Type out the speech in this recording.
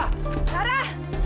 atau apa sih